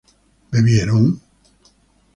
¿bebieron?